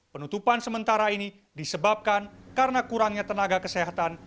penutupan sementara ini disebabkan karena kurangnya tenaga kesehatan